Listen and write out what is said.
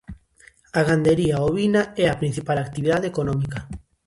A gandería ovina é a principal actividade económica.